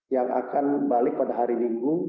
yang akan balik pada hari minggu